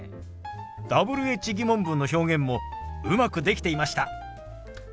Ｗｈ−疑問文の表現もうまくできていました。